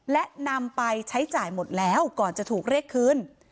และนำไปใช้จ่ายหมดแล้วก่อนจะถูกเรียกคืน